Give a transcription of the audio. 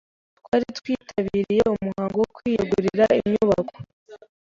Twari twitabiriye umuhango wo kwiyegurira inyubako.